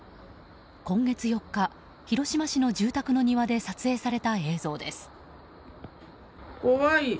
今月４日、広島市の住宅の庭で撮影された映像です。